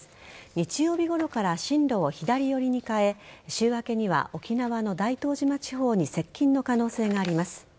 日曜日ごろから進路を左寄りに変え週明けには沖縄の大東島地方に接近の可能性があります。